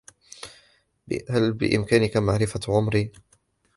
هل بإمكانك معرفة عمري ؟